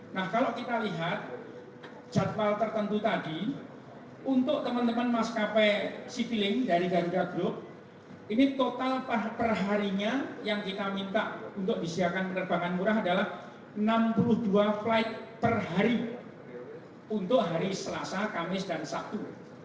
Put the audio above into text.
nah kalau kita lihat jadwal tertentu tadi untuk teman teman maskapai citylink dari garuda group ini total perharinya yang kita minta untuk disediakan penerbangan murah adalah enam puluh dua flight per hari untuk hari selasa kamis dan sabtu